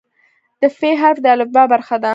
د "ف" حرف د الفبا برخه ده.